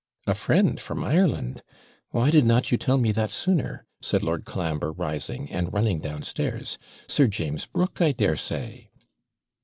'A friend from Ireland! Why did not you tell me that sooner?' said Lord Colambre, rising, and running downstairs. 'Sir James Brooke, I daresay.'